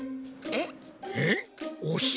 えっ？